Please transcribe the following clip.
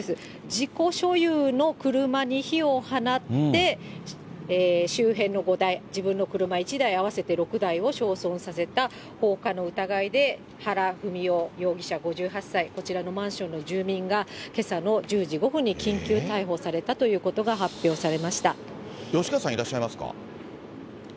自己所有の車に火を放って、周辺の５台、自分の車１台、合わせて６台を焼損させた放火の疑いではらふみお容疑者５８歳、こちらのマンションの住民が、けさの１０時５分に緊急逮捕されたということが発表されました。